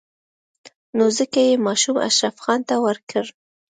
نو ځکه يې ماشوم اشرف خان ته ورکړ.